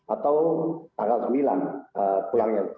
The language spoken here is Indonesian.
atau tanggal sembilan pulangnya